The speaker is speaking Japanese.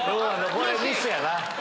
これミスやな。